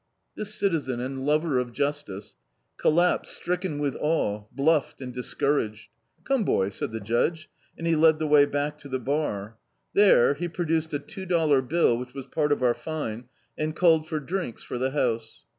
This citizen and lover of justice, collapsed stricken with awe, bluffed and discouraged. "Come, boys," said the Judge, and he led the way back to the bar. There, he produced a two dollar bill, which was part of our fine, and called for drinks for the house.